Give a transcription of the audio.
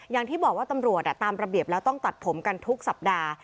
อย่างที่บอกว่าตำรวจตามระเบียบแล้วต้องตัดผมกันทุกสัปดาห์